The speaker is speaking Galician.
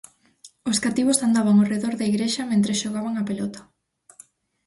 Os cativos andaban ó redor da igrexa mentres xogaban á pelota